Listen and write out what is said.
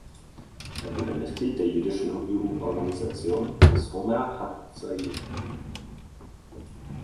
Er wurde Mitglied der jüdischen Jugendorganisation Hashomer Hatzair.